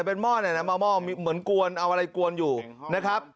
เป็นหม้อเนี่ยนะหม้อเหมือนกวนเอาอะไรกวนอยู่นะครับ